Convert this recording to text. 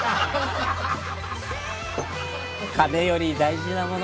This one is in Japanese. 金より大事なもの。